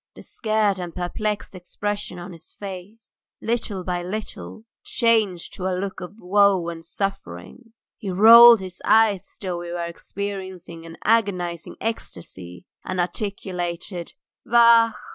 The scared and perplexed expression on his face, little by little, changed to a look of woe and suffering; he rolled his eyes as though he were experiencing an agonizing ecstasy, and articulated, "Vachhh!"